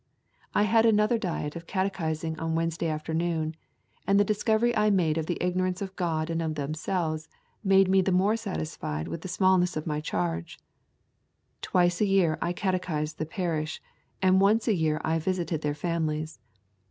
I had another diet of catechising on Wednesday afternoon, and the discovery I made of the ignorance of God and of themselves made me the more satisfied with the smallness of my charge ... Twice a year I catechised the parish, and once a year I visited their families.